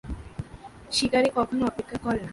শিকারী কখনো অপেক্ষা করে না।